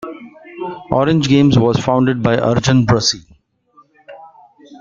Orange Games was founded by Arjan Brussee.